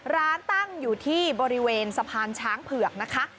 ร้านตั้งอยู่ที่บริเวณสะพานช้างเผือกนะคะ